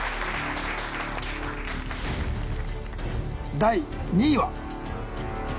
第２位は？